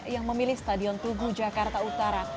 yang memilih stadion tugu jakarta utara